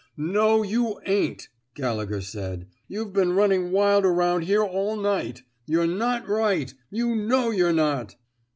*' No, you ain't,'' Gallegher said. You've been running wild around here all night. You're not right. You know you're not."